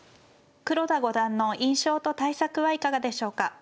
黒田五段の印象と対策はいかがでしょうか。